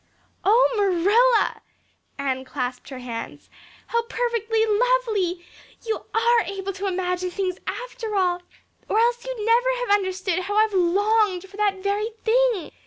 "Oh, Marilla!" Anne clasped her hands. "How perfectly lovely! You are able to imagine things after all or else you'd never have understood how I've longed for that very thing.